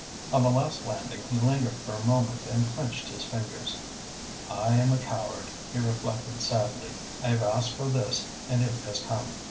On the last landing he lingered for a moment and clenched his fingers. "I am a coward," he reflected sadly. "I have asked for this and it has come."